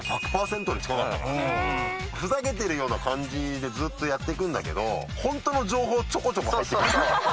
ふざけてるような感じでずっとやって行くんだけどホントの情報ちょこちょこ入って来る。